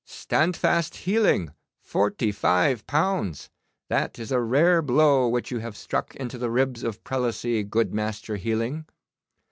Stand fast Healing, forty five pounds. That is a rare blow which you have struck into the ribs of Prelacy, good Master Healing.